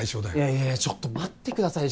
いやいやちょっと待ってください